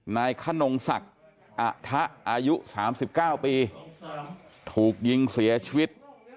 นายขนงศักดิ์อะทะอายุ๓๙ปีถูกยิงเสียชีวิต